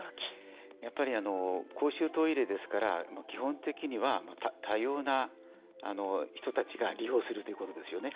やっぱり、公衆トイレですから基本的には、多様な人たちが利用するということですよね。